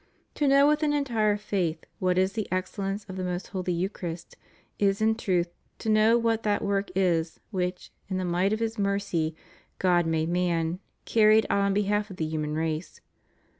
To know with an entire faith what is the excellence of the Most Holy Eucharist is in truth to know what that work is which, in the might of His mercy, God, made man, carried out on behalf of the himian race.